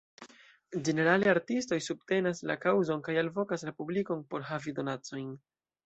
Ĝenerale artistoj subtenas la kaŭzon kaj alvokas la publikon por havi donacojn.